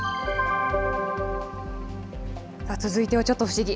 続いてはちょっと不思議。